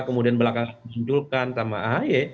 kemudian belakang munculkan sama ahy